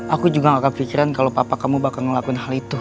aku juga gak kepikiran kalau papa kamu bakal ngelakuin hal itu